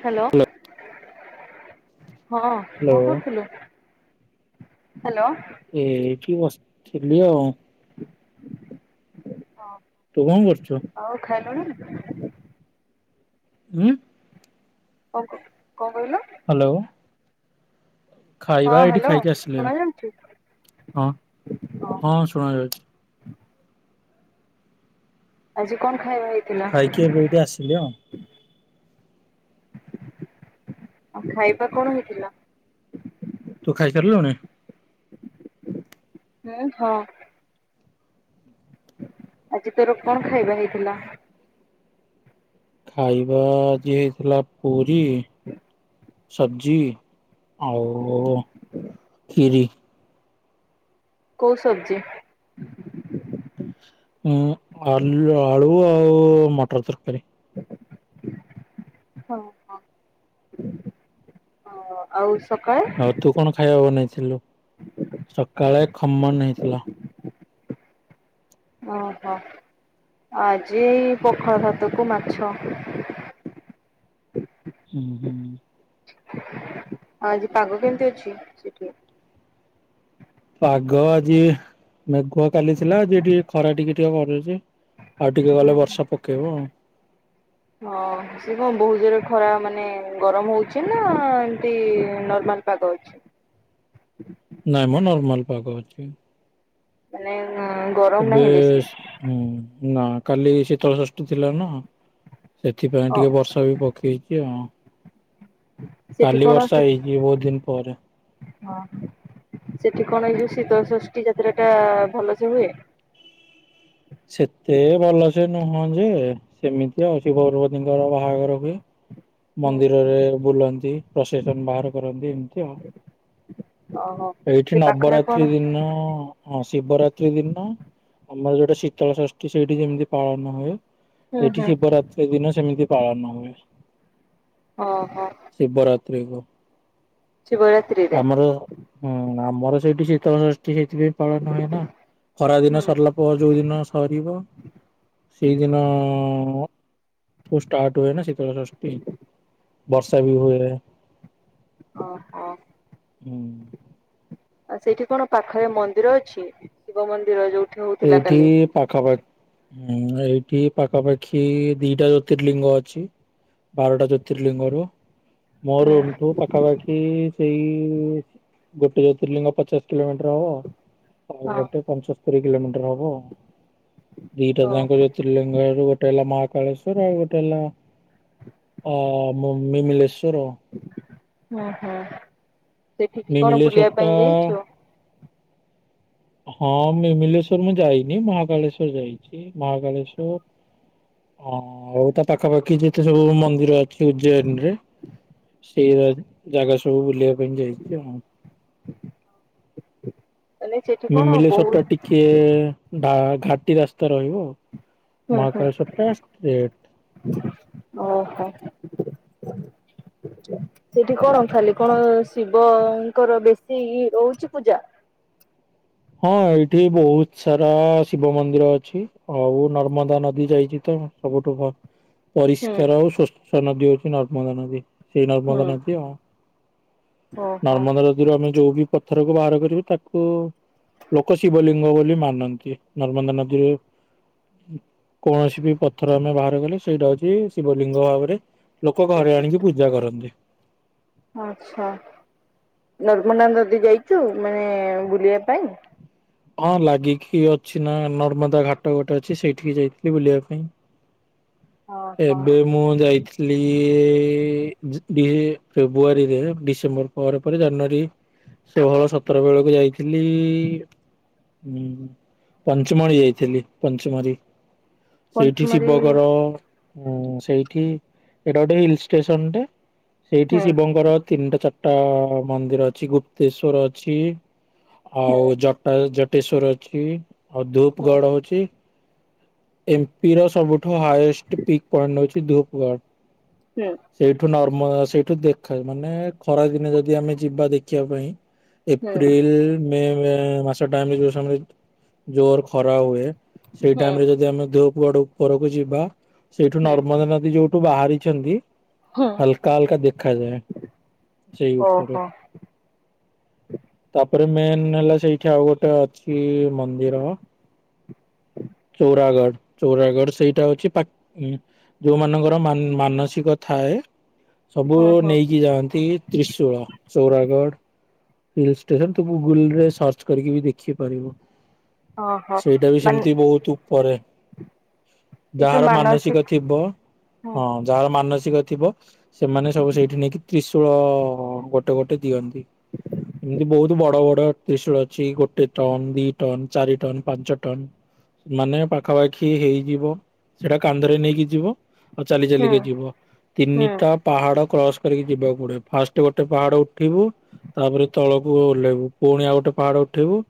Hello ହଁ। Hello କଣ କରୁଥିଲୁ? ହାଲୋ। ଏଇଠି ବସିଥିଲି ଆଉ। ହଁ। ତୁ କଣ କରୁଛୁ? ଆଉ ଖାଇଲୁଣି? ଉଁ। କଣ କ କଣ କହିଲୁ? ହାଲୋ। ଖାଇବା ହଁ ଏଇଠି ହ୍ୟାଲୋ ଖାଇକି ଆସିଲି ଶୁଣା ଏବେ ଯାଉଛି ହଁ ହଁ ଶୁଣାଯାଉଛି। ଆଜି କଣ ଖାଇବା ହେ ଖାଇକି ଏବେ ଏଇଠି ଆସିଲି ଆଉ। ଆଉ ଖାଇବା କଣ ହେଇଥିଲା? ତୁ ଖାଇସାରିଲୁଣି? ହୁଁ ହଁ। ଆଜି ତୋର କଣ ଖାଇବା ହେଇଥିଲା? ଖାଇବା ଆଜି ହେଇଥିଲା ପୁରୀ। ସବଜି ଆଉ କ୍ଷୀରି। କଉ ସବଜି? ହୁଁ ଆଲ ଆଳୁ ଆଉ ମଟର ତରକାରୀ। ହଁ ହଁ। ହଁ ଆଉ ସକାଳେ। ଆଉ ତୁ କଣ ଖାଇବା ବନେଇଥିଲୁ? ସକାଳେ ଖମନ ହେଇଥିଲା। ଓହୋ। ଆଜି ପଖାଳ ଭାତକୁ ମାଛ। ହୁଁ ହୁଁ। ଆ ଆଜି ପାଗ କେମିତି ଅଛି ସେଠି? ପାଗ ଆଜି ମେଘୁ କାଲି ଥିଲା ଆଜି ଟିକେ ଖରା ଟିକେ ଟିକେ କରୁଛି ଆଉ ଟିକେ ହୁଁ ଗଲେ ବର୍ଷା ପକେଇବ ଆଉ। ହ ହଁ। ସେ କଣ ବହୁତ ଜୋରେ ଖରା ମାନେ ଗରମ ହଉଚି ନା ଏମିତି ନର୍ମାଲ ପାଗ ଅଛି। ନାଇଁ ମୋ ନର୍ମାଲ ପାାଗ ଅଛି। ମାନେ ଅଁ, ଏବେ ହୁଁ, ନା କାଲି ଶୀତଳ ଷଷ୍ଠୀ ଥିଲା ନା। ସେଥିପାଇଁ ଅ ଟିକେ ବର୍ଷା ବି ପକେଇଚି ଆଉ। ସେଠି କାଲି କଣ ବର୍ଷା ହେଇଚି ବହୁତ ଦିନ ପରେ। ହଁ ସେଠି କଣ ଏଇ ଯୋଉ ଶୀତଷଷ୍ଠୀ ଯାତ୍ରା ଟା ଭଲ ସେ ହୁଏ? ସେତେ ଭଲ ସେ ନୁହଁ ଯେ ସେମିତି ଆଉ ଶିବ ପାର୍ବତୀଙ୍କର ବାହାଘର ହୁଏ। ମନ୍ଦିରରେ ବୁଲନ୍ତି ପ୍ରସେସନ୍ ବାହାର କରନ୍ତି ଏମ ତିଅ ଓହୋ ଏଇଠି ସେ ପାଖରେ କଣ ନବରାତ୍ରି ଦିନ ହଁ ଶିବରାତ୍ରି ଦିନ ଆମର ଯୋଉଟା ଶୀତଳ ଷଷ୍ଠୀ ସେଇଠି ଯେମିତି ପାଳନ ହୁଏ ହୁଁ ଏଠି ହୁଁ ଶିବରାତ୍ରି ଦିନ ସେମିତି ପାଳନ ହୁଏ। ଓ ହୋ। ଶିବ ରାାତ୍ରି କୁ। ଶିବରାତ୍ରିରେ ଆମର ହଁ ଆମର ସେଇଠି ଶୀତଳ ଷଷ୍ଠୀ ସେଥିପାଇଁ ପାଳନ ହୁଏ ନା। ଖରା ଦିନ ସରିଲା ପରେ ଯୋଉ ଦିନ ସରିବ। ସେଇଦିନ ଠୁ ଷ୍ଟାର୍ଟ ହୁଏ ନା ଶୀତଳଷଷ୍ଟି। ବର୍ଷା ବି ହୁଏ। ଓ ହୋ। ହଁ। ଆଉ ସେଇଠି କଣ ପାଖରେ ମନ୍ଦିର ଅଛି? ଶିବ ମନ୍ଦିର ଯୋଉ ଏଇଠି ପାଖାପା ହୁଁ, ଏଇଠି ପାଖାପାଖି ଦିଟା ଜ୍ୟୋତିର୍ଲିଙ୍ଗ ଅଛି। ବାରଟା ଜ୍ୟୋତିର୍ଲିଙ୍ଗ ରୁ ମୋ ହୁଁ ରୁମ୍ ଠୁ ପାଖାପାଖି କି ସେଇ ଗୋଟେ ଜ୍ୟୋତିର୍ଲିଙ୍ଗ ପଚାଶ କିଲୋମିଟର ହବ। ଆଉ ହଁ ଗୋଟେ ପଞ୍ଚସ୍ତରୀ କିଲୋମିଟର ହବ ଦିଟା ଓ ଯାଙ୍କ ଜ୍ୟୋ ତିଲିଙ୍ଗ ରୁ ଗୋଟେ ହେଲା ମହାକାଳେଶ୍ଵର ଆଉ ଗୋଟେ ହେଲା ଅ, ମ-ମିମିଲେଶ୍ବର। ଓ ହୋ, ସେଠିକି କଣ ମିମିଲେଶ୍ଵର ବୁଲିବା ଟା ପାଇଁ ଯାଇଛ? ହଁ ମିମିଲେଶ୍ୱର ମୁଁ ଯାଇନି, ମହାକାଳେଶ୍ଵର ଯାଇଛି। ମହାକାଳେଶ୍ଵର ଆଉ ତା ପାଖାପାଖି ଯେତେ ସବୁ ମନ୍ଦିର ଅଛି ଉଜ୍ଜୟନୀ ରେ। ସେଇ [unintelligible] ଜାଗା ସବୁ ବୁଲିବା ପାଇଁ ଯାଇଛି ଆଉ। ମାନେ ସେଠି କଣ ମିମିଲେଶ୍ୱର ଟା ବହୁତ ଟିକେ ଡା-ଘାଟି ରାସ୍ତା ରହିବ। ହୁଁ ହୁଁ ମହାକାଳେଶ୍ଵରଟା ଷ୍ଟ୍ରେ ଓହୋ। ସେଇଠି କଣ ଖାଲି କଣ ଶିବଙ୍କର ବେଶୀ ହଉଛି ପୂଜା? ହଁ ଏଇଠି ବହୁତ ସାରା ଶିବ ମନ୍ଦିର ଅଛି। ଆଉ ନର୍ମଦା ନଦୀ ଯାଇଛି ତ। ସବୁଠୁ ହୁଁ ଭ-ପରିଷ୍କାର ଓ ସ୍ବଚ୍ଛ ନଦୀ ହଉଛି ନର୍ମଦା ନଦୀ। ସେଇ ହୁଁ ନର୍ମଦା ନଦୀ ଆ, ଓହୋ। ନର୍ମଦା ନ ଦୀରୁ ଆମେ ଯୋଉ ବି ପଥରକୁ ବାହାର କରିବୁ ତାକୁ ଲୋକ ଶିବଲିଙ୍ଗ ବୋଲି ମାନନ୍ତି। ନର୍ମଦା ନଦୀରେ କୌଣସି ବି ପଥର ଆମେ ବାହାର କଲେ ସେଇଟା ହଉଛି ଶିବଲିଙ୍ଗ ଭାବରେ ଲୋକ ଘରେ ଆଣିକି ପୂଜା କରନ୍ତି। ଆଚ୍ଛା, ନର୍ମଦା ନଦୀ ଯାଇଛୁ ମାନେ ବୁଲିବା ପାଇଁ? ହଁ ଲାଗିକି ଅଛି ନା ନର୍ମଦା ଘାଟ ଗୋଟେ ଅଛି ସେଇଠିକି ଯାଇଥିଲି ବୁଲିବା ପାଇଁ। ଓହୋ ଏବେ ମୁଁ ଯାଇଥିଲି ବି ଫେବୃଆରୀରେ ଡିସେମ୍ବର ପରେ ପରେ ଜାନୁଆରୀ ଷୋହଳ ସତର ବେଳକୁ ଯାଇଥିଲି ହୁଁ ପଞ୍ଚମଣି ଯାଇଥିଲି ପଞ୍ଚମାରୀ। ସେଇଠି ପଞ୍ଚମରୀ ଶିବଙ୍କର ଉଁ ସେଇଠି ଏଇଟା ଗୋଟେ ହିଲ ଷ୍ଟେସନଟେ। ସେଇଠି ହୁଁ ଶିବଙ୍କର ତିନିଟା ଚାରିଟା ମନ୍ଦିର ଅଛି ଗୁପ୍ତେଶ୍ଵର ଅଛି ହୁଁ ଆଉ ଜଟା ଜଟେଶ୍ଵର ଅଛି ହୁଁ। ଧୂପଗଡ ଅଛି ଏମ୍ପିର ସବୁଠୁ ହାଏଷ୍ଟ ପିକ୍ ପଏଣ୍ଟ ହେଉଛି ଧୂପଗଡ଼। ହୁଁ। ସେଇଠୁ ନର୍ମଦା ସେଇଠୁ ଦେଖା ମାନେ ଖରାଦିନେ ଯଦି ଆମେ ଯିବା ଦେଖିବା ପାଇଁ ହୁଁ। ଏପ୍ରିଲ ମେ ମାସ ଟାଇମ ଯୋଉସମୟରେ ଜୋର ଖରା ହୁଏ ସେଇ ହୁଁ ଟାଇମ ରେ ଯଦି ଆମେ ଧୂପଗଡ ଉପରକୁ ଯିବା ସେଇଠୁ ହୁଁ ନର୍ମଦା ନଦୀ ଯୋଉ ଠୁ ବାହାରିଛନ୍ତି ହୁଁ ହଲକା ହଲକା ଦେଖା ଯାଏ ସେଇ ଉପର ଓହୋ ତାପରେ ମେନ୍ ହେଲା ସେଇଠି ଆଉ ଗୋଟେ ଅଛି ମନ୍ଦିର ଚୌରାଗଡ ଚୌରାଗଡ ସେଇଟା ହଉଛି ଯୋଉମାନଙ୍କର ମାନସିକ ଥାଏ ସବୁ ହୁଁ ହୁଁ ନେଇକି ଯାଆନ୍ତି ତ୍ରିଶୂଳ ଚୌରାଗଡ଼ ହିଲ୍ ଷ୍ଟେସନ ତୁ ଗୁଗୁଲରେ ସର୍ଚ୍ଚ କରିକି ବି ଦେଖି ପାରିବୁ ଓହୋ। ସେଇଟା ବି ମାନେ ସେମିତି ବହୁତ ଉପରେ ଏ ଯୋଉ ଯାହାର ମାନସିକ ଥିବ ହୁଁ ହଁ ଯାହାର ମାନସିକ ଥିବ ସେମାନେ ସବୁ ସେଇଠି ନେଇକି ତ୍ରିଶୂଳ ଗୋଟେ ଗୋଟେ ଦିଅନ୍ତି ଏମିତି ବହୁତ ବଡ ବଡ ତ୍ରିଶୂଳ ଅଛି ଗୋଟେ ଟନ ଦି ଟନ ଚାରି ଟନ ପାଞ୍ଚ ଟନ ମାନେ ପାଖାପାଖି ହେଇଯିବ ସେଇଟା କାନ୍ଧରେ ନେଇକି ଯିବ ଆଉ ଚାଲି ହୁଁ ଚାଲିକି ଯିବ ହୁଁ ତିନିଟା ପାହାଡ କ୍ରସ କରିକି ଯିବାକୁ ପଡେ ଫାଷ୍ଟ ଗୋଟେ ପାହାଡ ଉଠିବୁ ତାପରେ ତଳକୁ ଓଲହ୍ଲାଇ ବୁ ପୁଣି ଆଉ ଗୋଟେ ପାହାଡ ଉଠିବୁ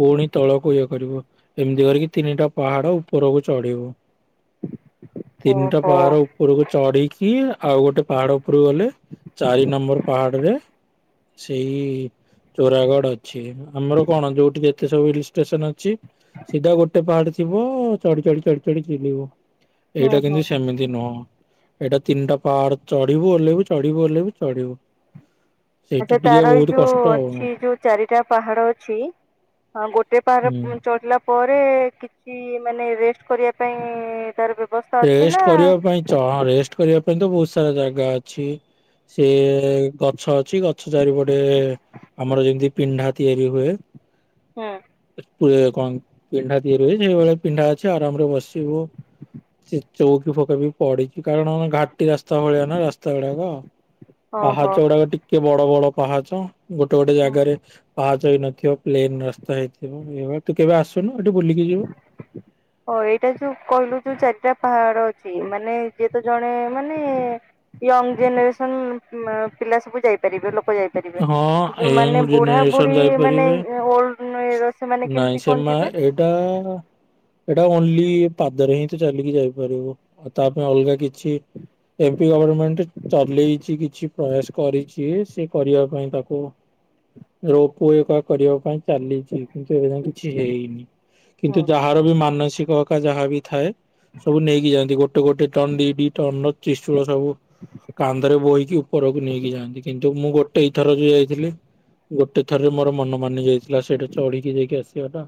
ପୁଣି ତଳକୁ ଇଏ କରିବୁ ଏମିତି କରିକି ତିନିଟା ପାହାଡ ଉପରକୁ ଚଢିବୁ ତିନିଟା ଓହୋ। ପାହାର ଉପରକୁ ଚଢିକି ଆଉ ଗୋଟେ ପାହାଡ ଉପରୁକୁ ଗଲେ ଚାରି ନମ୍ବର ପାହାଡ ରେ ସେଇ ଚୋରାଗଡ ଅଛି ଆମର କଣ ଯୋଉଠି ଯେତେ ସବୁ ହିଲ ଷ୍ଟେସନ ଅଛି ସିଧା ଗୋଟେ ପାହାଡ ଥିବ ଚଢି ଚଢି ଚଢି ଚଢି ଜୁଲିବୁ ହୁଁ ଏଇଟା ହୁଁ କିନ୍ତୁ ସେମିତି ନୁହଁ ଏଇଟା ତିନିଟା ପାର ଚଢିବୁ ଓହ୍ଲେ ଇବୁ ଚଢିବୁ ଓଲେ ଇବୁ ଚଢିବୁ ସେଇଟା ଆଚ୍ଛା ଟିକେ ତାର ଏଇ ବହୁତ ଯୋଉ କଷ୍ଟ ଆଉ ଅଛି ଯୋଉ ଚାରିଟା ପାହାଡ ଅଛି ହଁ ଗୋଟେ ପାହାର ହୁଁ ଚଢିଲା ପରେ କିଛି ମାନେ ରେଷ୍ଟ କରିବା ପାଇଁ ତାର ବ୍ୟବସ୍ଥା ଅଛି ନା ରେଷ୍ଟ କରିବା ପାଇଁ ରେଷ୍ଟ କରିବା ପାଇଁ ତ ବହୁତ ସାରା ଜାଗା ଅଛି ସେ ଗଛ ଅଛି ଗଛ ଚାରିପଟେ ଆମର ଯେମିତି ପିଣ୍ଢା ତିଆରି ହୁଏ ହଁ କଣ ପିଣ୍ଡା ତିଆରି ହୁଏ ସେଇଭଳି ପିଣ୍ଡା ଅଛି ଆରାମ ରେ ବସିବୁ ସେ ଚଉକି ଫକା ବି ପଡିଛି କାରଣ ଘାଟି ରାସ୍ତା ରାସ୍ତା ଭଳିଆ ନା ରାସ୍ତା ଗୁଡାକ ଆଉ ଓହୋ। ପାହାଚ ଗୁଡାକ ଟିକେ ବଡ ବଡ ପାହାଚ ଗୋଟେ ଗୋଟେ ଜାଗାରେ ପାହାଚ ହେଇ ନଥିବ ପ୍ଲେନ ରାସ୍ତା ହେଇଥିବ ଏ ତୁ କେବେ ଆସୁ ଆସୁନୁ ଏଠି ବୁଲିକି ଯିବୁ ହ ଏଇଟା ଯୋଉ କହିଲୁ ଯୋଉ ଚାରିଟା ପାହାଡ ଅଛି ମାନେ ଯିଏ ତ ଜଣେ ମାନେ ୟଙ୍ଗ ଜେନେରେସନ ପିଲା ସବୁ ଯାଇପାରିବେ ଲୋକ ହଁ [unintelligible] ଯୋଉମାନେ ୟଙ୍ଗ ବୁଢା ଜେନେରେସନ ବୁଢୀ ମାନେ ଯାଇପାରିବେ ଓଡ ର ସେମାନେ କେମିତି କଣ ଯିବେ? ତ ଏଇଟା ଓନ୍ଲି ପାଦରେ ହିଁ ତ ଚାଲିକି ଯାଇପାରିବ ଆଉ ତା ପାଇଁ ଅଲଗା କିଛି ଏମପି ଗଭର୍ଣମେଣ୍ଟ ଚଲେଇଛି କିଛି ପ୍ରୟାସ କରିଛି ସେ କରିବା ପାଇଁ ତାକୁ ରୋପ ଏକ କରିବା ପାଇଁ ଚାଲିଛି କିନ୍ତୁ ଏବେ ଯା କିଛି ହେଇନି କିନ୍ତୁ ଯାହାର ବି ମାନସିକ ପକା ଯାହା ବି ଥାଏ ସବୁ ନେଇକି ଯାଆନ୍ତି ଗୋଟେ ଗୋଟେ ଟନ ଦି ଦି ଟନ ର ଚିଚୂଳ ସବୁ କାନ୍ଧରେ ବୋହିକି ଉପରକୁ ନେଇକି ଯାଆନ୍ତି କିନ୍ତୁ ମୁଁ ଗୋଟେ ଏଇଥର ଯ ଯାଇଥିଲି ଗୋଟେ ଥରରେ ମୋର ମନ ମାନି ଯାଇଥିଲା ସେଇଟା ଚଢିକି ଯାଇକି ଆସିବା ଟା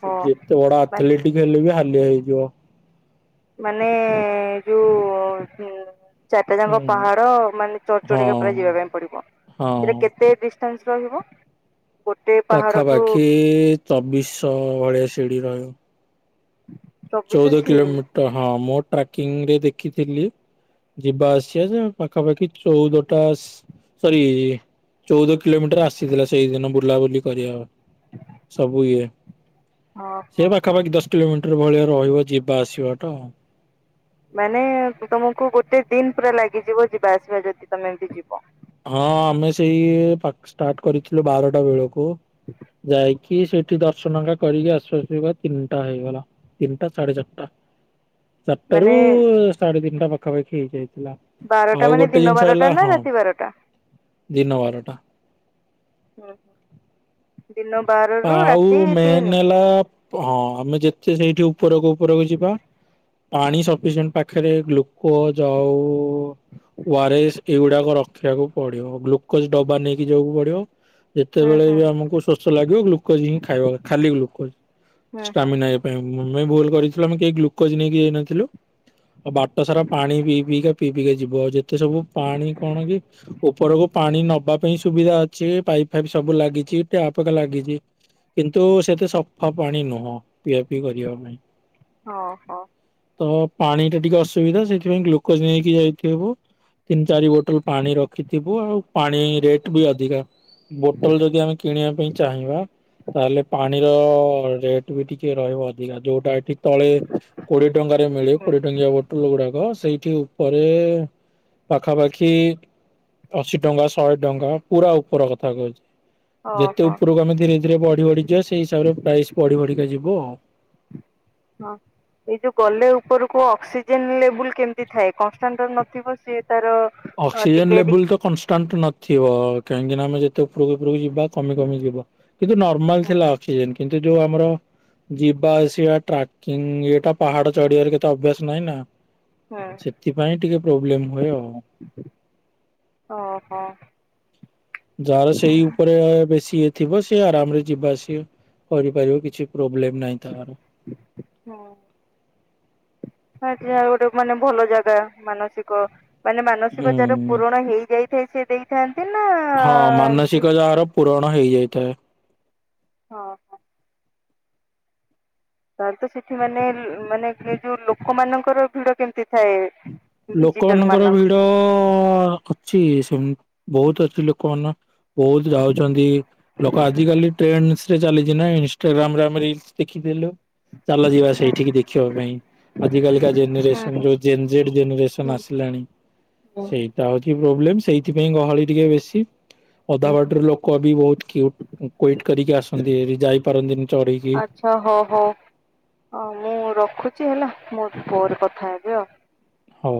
ସେ ଯେତେ ବଡ ଆଥଲେଟିକ ହେଲେ ବି ହାଲିଆ ହେଇଯିବ। ମାନେ ଯୋଉ ଚାରିଟା ହୁଁ ଯାକଙ୍କ ପାହାଡ ମାନେଚଡି ଚଡି ହଁ ଟିକେ ପୁରା ଯିବା ପାଇଁ ପଡିବ ହଁ। ସେଟା କେତେ ଦ ଶ ରହିବ ଗୋଟେ ପାହାଡଠୁ ପାଖାପାଖି ଚବିଶଶ ଭଳିଆ ସିଢି ରହିବ ଚବିଶ ଚଉଦ ସିଡି କିଲୋମିଟର ହଁ ମୁଁ ଟ୍ରାକିଂ ରେ ଦେଖିଥିଲି ଯିବା ଆସିବା ଯେ ପାଖାପାଖି ଚଉଦଟା ସରି ଚଉଦ କିଲୋମିଟର ଆସିଥିଲା ସେଇଦିନ ବୁଲାବୁଲି କରିବା। ସବୁଏ ହଁ ସେ ହଁ। ପାଖାପାଖି ଦଶ କିଲୋମିଟର ଭଳିଆ ରହିବ ଯିବା ଆସିବାଟା ମାନେ ତମକୁ ଗୋଟେ ଦିନ ପୁରା ଲାଗିଯିବ ଯିବା ଆସିବା ଯଦି ତମେ ଏମତି ଯିବ ହଁ ଆମେ ସେଇ ଷ୍ଟାର୍ଟ କରିଥିଲୁ ବାରଟା ବେଳକୁ ଯାଇ କି ସେଇଠି ଦର୍ଶନକାା କରିକି ଆସୁ ଆସିବା ତିନିଟା ହେଇଗଲା ତିନିଟା ସାଢେ ଚାରିଟା ଚାରିଟାରୁ ମାନେ ସାଢେ ତିନିଟା ପାଖାପାଖି ହେଇଯାଇଥିଲା ବାରଟା ଆଉ ମାନେ ଗୋଟେ ଦିନ ଜିନିଷ ବାରଟା ହେଲା ହଁ [unintelligible] ଦିନ ବାରଟା ହୁଁ ହୁଁ ଦିନ ବାର ରୁ ଆଉ ରାତି ମେନ୍ ତିନି। ହେଲା ହଁ ଆମେ ଯେତେ ସେଇଠି ଉପରକୁ ଉପରକୁ ଯିବା ପାଣି ସଫିସିଏଣ୍ଟ ପାଖରେ ଗ୍ଲୁକୋଜ ଆଉ ଏଇଗୁଡାକ ରଖିବାକୁ ପଡିବ ଗ୍ଲୁକୋଜ ଡବା ନେଇକି ଯିବାକୁ ପଡିବ ହୁଁ ଯେତେବେଳେ ହୁଁ ବି ଆମକୁ ଶୋଷ ଲାଗିବ ଗ୍ଲୁକୋଜ ହିଁ ଖାଇବା ଖାଲି ଗ୍ଲୋ ହୁଁ ହୁଁ ନ ଏ ପାଇଁ ଆମେ ଭୁଲ କରିଥିଲୁ ଆମେ କେହି ଗ୍ଲୁକୋଜ ନେଇକି ଯାଇ ନଥିଲୁ ଆଉ ବାଟ ସାରା ପାଣି ପିଇ ପିଇ ପିଇିକା ଯିବ ଆଉ ଯେତେ ସବୁ ପାଣି କଣ କି ଉପରକୁ ପାଣି ନବା ପାଇଁ ସୁବିଧା ଅଛି ପାଇପ୍ ଫାଇପ୍ ସବୁ ଲାଗିଛି ଟ୍ୟାପ ଲାଗିଛି କିନ୍ତୁ ସେତେ ସଫା ପାଣି ନୁହଁ ପିଇଆ ପିଇ କରିବା ପାଇଁ ହଉ ହୋ ତ ପାଣି ଟା ଟିକେ ଅସୁବିଧା ସେଥିପାଇଁ ଗ୍ଲୁକୋଜ ନେଇକି ଯାଇଥବ ତିନି ଚାରି ବୋଟଲ ପାଣି ରଖିଥିବୁ ଆଉ ପାଣି ରେଟ୍ ବି ଅଧିକା ବୋଟଲ ଯଦି ଆମେ କିଣିବା ପାଇଁ ଚାହିଁବା। ତାହେଲେ ପାଣିର ରେଟ ବି ଟିକେ ରହିବ ଅଧିକା ଯୋଉଟାଠିକ ତଳେ କୋଡିଏ ଟଙ୍କାରେ ମିଳେ ହୁଁ କୋଡିଏ ଟଙ୍କିଆ ବୋଟୁଲ ଗୁଡାକ ସେଇଠି। ପରେ ପାଖାପାଖି ଅଶୀ ଟଙ୍କା ଶହେ ଟଙ୍କା ପୁରା ଉପର କଥା କହୁଛି। ଯେତେ ଓହୋ ଉପରକୁ ଆମେ ଧୀରେ ଧୀରେ ବଢି ବଢିଯିବା ସେଇ ହିସାବରେ ପ୍ରାଇସ୍ ବଢି ବଢିକା ଯିବ ଆଉ। ହଁ। ଏଇ ଯୋଉ ଗଲେ ଉପରକୁ ଅକ୍ସିଜେନ ଲେବୁଲ କେମିତି ଥାଏ କନଷ୍ଟାଣ୍ଟ ନଥିବ ସେ ତାର ହଁ ଅକ୍ସିଜେନ ଟିକେ ଡିକ୍ ଲେବୁଲ ତ କନଷ୍ଟାଣ୍ଟ ନଥିବ କାହିଁକିନା ଆମେ ଯେତେ ଉପରକୁ ଉପରକୁ ଯ ବା କମି କମି ଯିବ କିନ୍ତୁ ନର୍ମାଲ ହୁଁ ଥିଲା ଅକ୍ସିଜେନ କିନ୍ତୁ ଯୋଉ ଆମର ଯିବା ଆସ ଟ୍ରାକିଂ ଏଇଟା ପାହାଡ ଚଢିବାର କେତେ ଅଭ୍ୟାସ ନାହିଁ ନା। ହୁଁ ସେଥିପାଇଁ ଟିକେ ପ୍ରୋବ୍ଲେମ ହୁଏ ଆଉ। ଓହୋ। ଯାହାର ସେଇ ଉପରେ ବେଶୀ ଇଏ ଥିବ ସେି ଆରାମ ରେ ଯିବା ଆସିବ। କରିପାରିବ କିଛି ପ୍ରୋବ୍ଲେମ ନାହିଁ ତାର। ହୁଁ ଆଜ୍ଞା ଆଉ ଗୋଟେ ମାନେ ଭଲ ଜାଗା ମାନସିକ ମାନେ ହୁଁ। ମାନସିକ ଯାହାର ପୂରଣ ହେଇଯାଇଥାଏ ସେ ଦେଇଥାନ୍ତି ନା ହଁ ଏମତି ମାନସିକ ଯାହାର ପୂରଣ ହେଇଯାଇଥାଏ। ହଁ। ହଁ। ତାହେଲେ ତ ସେଠି ମାନେ ମାନେ ଏ ଯୋଉ ଲୋକମାନଙ୍କର ଭିଡ କେମିତି ଥାଏ। ଭିଜିଟର ଲୋକମାନଙ୍କର ମାନଙ୍କ ଭିଡ ଅଛି ସେମ ବହୁତ ଅଛି ଲୋକମାନ ବହୁତ ଯାଉଛନ୍ତି ଲୋକ ଆଜିକାଲି ଟ୍ରେନ ରେ ଚାଲି ଇନଷ୍ଟାଗ୍ରାମ ରେ ଆମେ ରସ ଦେଖିଦଲୁ ଚାଲ ଯିବା। ସେଇଠିକି ଦେଖିବା ପାଇଁ ଆଜିିକାଲିକା ହୁଁ ଜେନେରେସନ ଯୋଉ ଜେନ୍ ଜେଡ ହୁଁ ଜେନେରେସନ ଆସିଲାଣି। ହୁଁ ସେଇଟା ହଉଛି ପ୍ରୋବ୍ଲେମ ସେଇଥିପାଇଁ ଗହଳି ଟିକେ ବେଶୀ ଅଧା ହୁଁ। ବାଡ଼ିରୁ ଲୋକ ବି ବହୁତ କ୍ୟୁଟ ୱେଟ୍ କରିକି ଆସନ୍ତି ଏଠି ଯାଇପାରନ୍ତିନି ଚଢିକି। ଆଚ୍ଛା ହଉ ହଉ ମୁଁ ରଖୁଛି ହେଲା ମୋ ପରେ କଥା ହେବି ଆଉ। ହଉ।